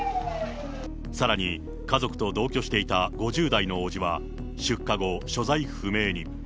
さらに、家族と同居していた５０代の伯父は出火後、所在不明に。